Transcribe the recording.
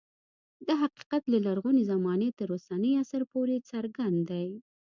دا حقیقت له لرغونې زمانې تر اوسني عصر پورې څرګند دی